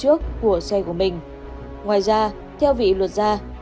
hậu quả đó không xảy ra hoặc có thể ngăn ngừa được